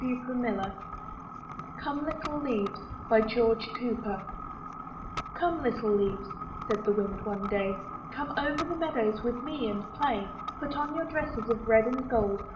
MY BOOK HOUSE COME LITTLE LEAVES George Cooper ''Come, little leaves," said the wind one day. ''Come over the meadows with me and play; Put on your dresses of red and gold.